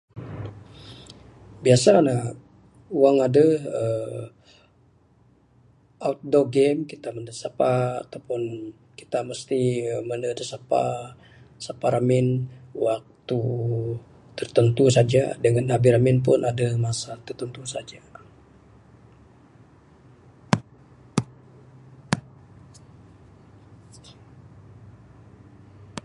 Biasa ne wang aduh aaa outdoor game kita main da sapa ataupun kita mesti mende da sapa..sapa ramin waktu tertentu saja dangan abih ramin pun aduh masa tertentu saja.